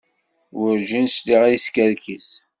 Werǧin sliɣ-as yeskerkes.